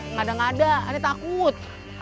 ngada ngada ani takut